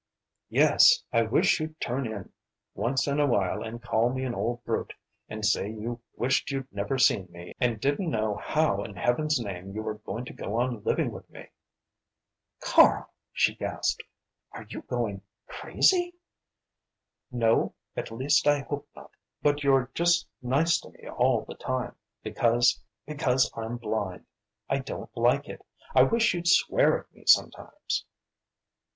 "Yes! I wish you'd turn in once in a while and call me an old brute, and say you wished you'd never seen me, and didn't know how in heaven's name you were going to go on living with me!" "Karl," she gasped "are you going crazy?" "No at least I hope not. But you're just nice to me all the time, because because I'm blind! I don't like it! I wish you'd swear at me sometimes!"